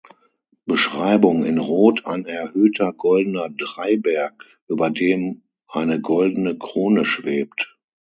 Beschreibung: In Rot ein erhöhter goldener Dreiberg über dem eine goldene Krone schwebt.